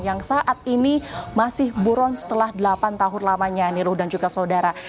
yang saat ini masih buron setelah delapan tahun lamanya niru dan juga saudara